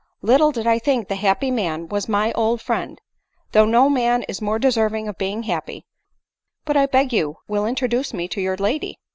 Little did I think the happy man was my old friend — though no man is more deserving of being happy ; but 1 beg you will introduce me to your lady."